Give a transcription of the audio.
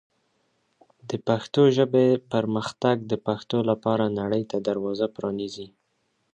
د پښتو ژبې پرمختګ د پښتو لپاره نړۍ ته دروازه پرانیزي.